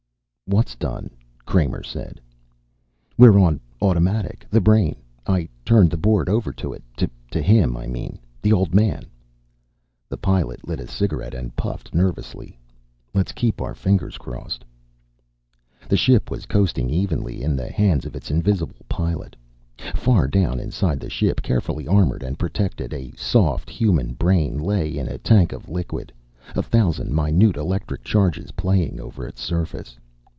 "What's done?" Kramer said. "We're on automatic. The brain. I turned the board over to it to him, I mean. The Old Man." The Pilot lit a cigarette and puffed nervously. "Let's keep our fingers crossed." The ship was coasting evenly, in the hands of its invisible pilot. Far down inside the ship, carefully armoured and protected, a soft human brain lay in a tank of liquid, a thousand minute electric charges playing over its surface.